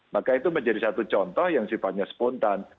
maka itu menjadi satu contoh yang sifatnya spontan